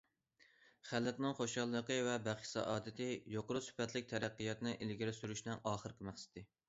« خەلقنىڭ خۇشاللىقى ۋە بەخت- سائادىتى يۇقىرى سۈپەتلىك تەرەققىياتنى ئىلگىرى سۈرۈشنىڭ ئاخىرقى مەقسىتى».